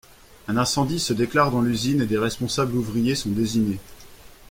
Un incendie se déclare dans l'usine, et des responsables ouvriers sont désignés.